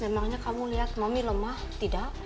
emangnya kamu lihat mami lemah tidak